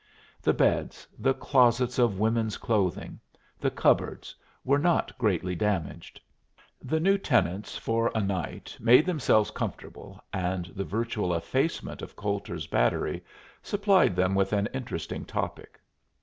The beds, the closets of women's clothing, the cupboards were not greatly damaged. The new tenants for a night made themselves comfortable, and the virtual effacement of Coulter's battery supplied them with an interesting topic.